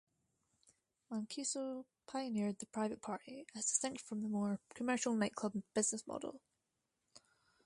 Mancuso pioneered the private party, as distinct from the more commercial nightclub business model.